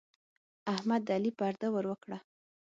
احمد د علي پرده ور وکړه.